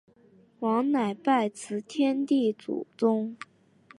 王乃拜辞天地祖宗。